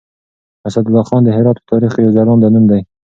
اسدالله خان د هرات په تاريخ کې يو ځلاند نوم دی.